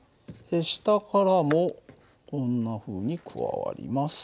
下からもこんなふうに加わります。